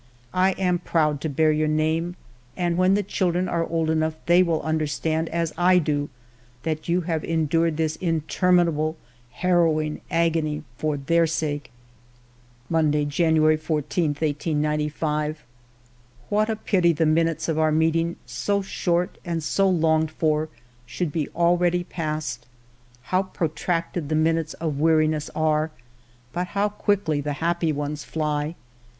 I am proud to bear your name, and when the children are old enough, they will understand as I do that you have endured this interminable harrowing agony for their sake." Monday, January 14, 1895. "What a pity the minutes of our meeting, so short and so longed for, should be already past ! How protracted the minutes of weariness are, but how quickly the happy ones fly